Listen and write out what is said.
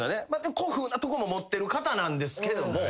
古風なとこも持ってる方なんですけども。